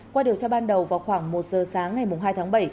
qua điều tra ban đầu vào khoảng một giờ sáng ngày hai tháng bảy